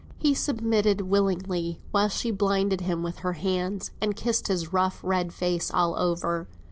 He submitted willingly while she blinded him with her hands, and kissed his rough red face all over.